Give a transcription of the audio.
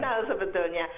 nyeres final sebetulnya